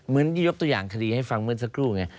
ยกตัวอย่างคดีให้ฟังเมื่อสักครู่ไง